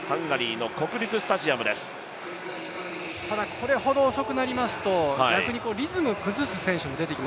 これほど遅くなりますと、逆にリズムを落とす選手も出てき